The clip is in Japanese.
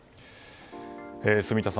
住田さん